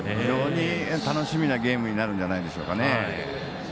楽しみなゲームになるんじゃないでしょうか。